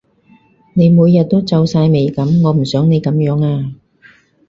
你每日都皺晒眉噉，我唔想你噉樣呀